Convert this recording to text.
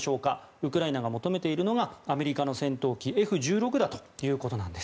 ウクライナが求めているのがアメリカの戦闘機Ｆ１６だということなんです。